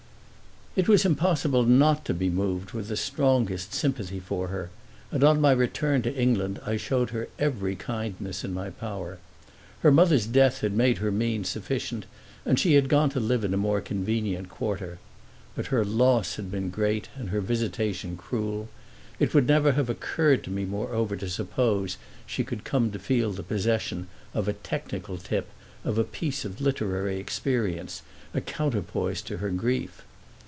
IT was impossible not to be moved with the strongest sympathy for her, and on my return to England I showed her every kindness in my power. Her mother's death had made her means sufficient, and she had gone to live in a more convenient quarter. But her loss had been great and her visitation cruel; it never would have occurred to me moreover to suppose she could come to feel the possession of a technical tip, of a piece of literary experience, a counterpoise to her grief.